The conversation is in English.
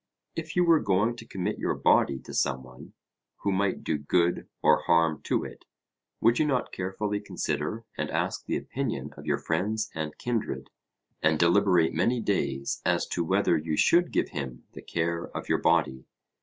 If you were going to commit your body to some one, who might do good or harm to it, would you not carefully consider and ask the opinion of your friends and kindred, and deliberate many days as to whether you should give him the care of your body?